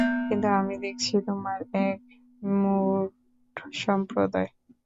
কিন্তু আমি দেখছি, তোমরা এক মূঢ় সম্প্রদায়।